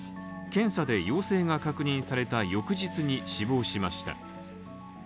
検査で陽性が確認された翌日に死亡しました。